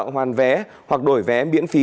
hoàn vé hoặc đổi vé miễn phí